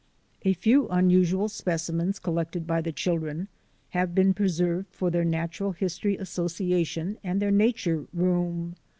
A few unusual specimens collected by the chil dren have been preserved for their natural history association and their nature room.